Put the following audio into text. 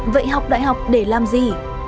vậy học đại học để làm gì